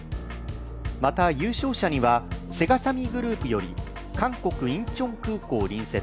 また優勝者には、セガサミーグループより韓国インチョン空港隣接、